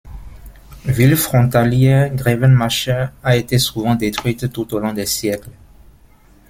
Ville frontalière, Grevenmacher a été souvent détruite tout au long des siècles.